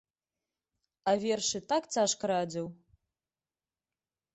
А вершы так цяжка радзіў.